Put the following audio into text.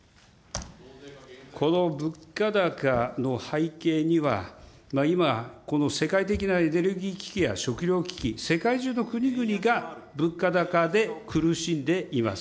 この物価高の背景には、今、この世界的なエネルギー危機や食料危機、世界中の国々が物価高で苦しんでいます。